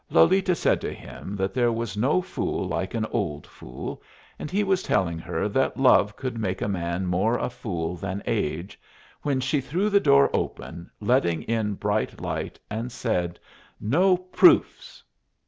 Lolita said to him that there was no fool like an old fool, and he was telling her that love could make a man more a fool than age, when she threw the door open, letting in bright light, and said, "No proofs."